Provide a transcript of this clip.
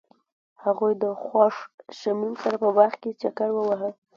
هغوی د خوښ شمیم سره په باغ کې چکر وواهه.